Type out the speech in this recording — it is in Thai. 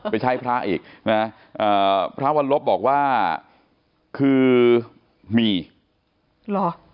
ไปใช้พระอีกนะอ่าพระวรรพบอกว่าคือมีหรอ